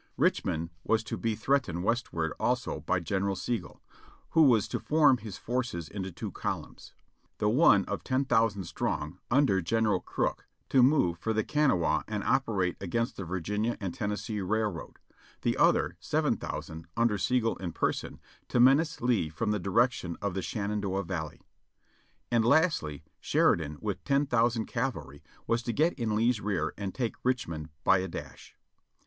Rich mond was to be threatened westward also, by General Sigel, who was to form his forces into two columns: the one of ten thou sand strong, under General Crook, to move for the Kanawha and operate against the Virginia and Tennessee Railroad; the other, seven thousand, under Sigel in person, to menace Lee from the direction of the Shenandoah Valley. And lastly, Sheridan with ten thousand cavalry was to get in Lee's rear and take Richmond by a dash.